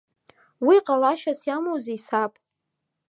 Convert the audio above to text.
Уи ҟалашьас иамоузеи саб?